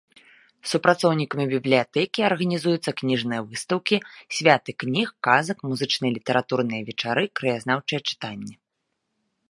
Супрацоўнікамі бібліятэкі арганізуюцца кніжныя выстаўкі, святы кніг, казак, музычныя і літаратурныя вечары, краязнаўчыя чытанні.